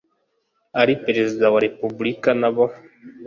ari Perezida wa Repubulika na bo